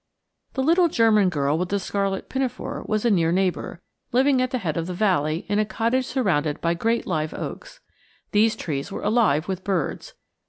THE little German girl with the scarlet pinafore was a near neighbor, living at the head of the valley in a cottage surrounded by great live oaks. These trees were alive with birds.